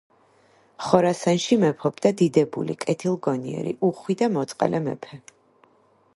ხორასანში მეფობდა დიდებული, კეთილგონიერი, უხვი და მოწყალე მეფე.